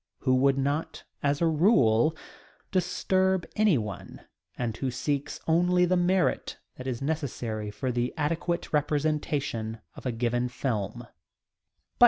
who would not, as a rule, disturb anyone, and who seeks only the merit that is necessary for the adequate representation of a given film.